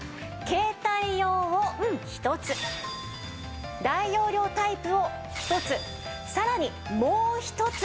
携帯用を１つ大容量タイプを１つさらにもう１つ。